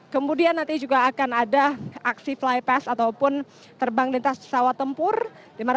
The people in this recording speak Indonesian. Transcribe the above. kemudian nanti juga akan ada aksi fly pass ataupun terbang lintas pesawat tempur